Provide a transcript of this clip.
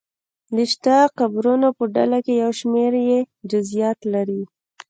د شته قبرونو په ډله کې یو شمېر یې جزییات لري.